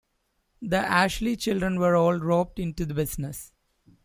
The Ashley children were all roped into the business.